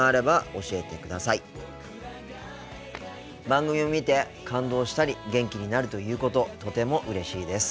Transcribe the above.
番組を見て感動したり元気になるということとてもうれしいです。